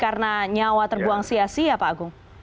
karena nyawa terbuang sia sia pak gung